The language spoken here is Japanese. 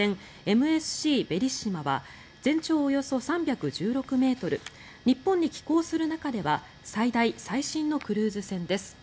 「ＭＳＣベリッシマ」は全長およそ３１６ｍ日本に寄港する中では最大・最新のクルーズ船です。